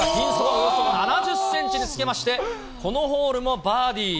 およそ７０センチにつけまして、このホールもバーディー。